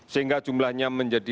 sehingga jumlahnya menjadi enam